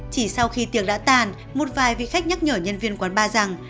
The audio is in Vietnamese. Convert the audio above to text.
chỉ sau khi tiệc đã tàn một vài vị khách nhắc nhở nhân viên quán bar rằng